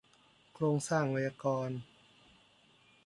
โครงสร้างไวยากรณ์